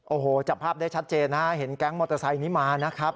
โอ้โหจับภาพได้ชัดเจนฮะเห็นแก๊งมอเตอร์ไซค์นี้มานะครับ